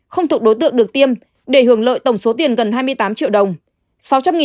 không thuộc đối tượng được tiêm để hưởng lợi tổng số tiền gần hai mươi tám triệu đồng